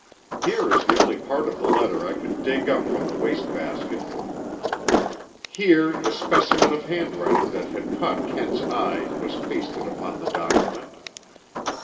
Here is the only part of the letter I could dig up from the waste basket: Here the specimen of handwriting that had caught Kent's eye was pasted upon the document.